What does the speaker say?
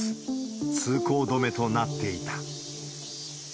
通行止めとなっていた。